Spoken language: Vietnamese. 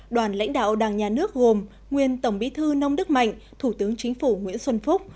đoàn lãnh đạo đảng nhà nước gồm nguyên tổng bí thư nông đức mạnh thủ tướng chính phủ nguyễn xuân phúc